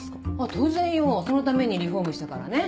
当然よそのためにリフォームしたからね。